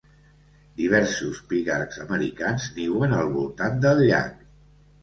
Diversos pigargs americans niuen al voltant del llac.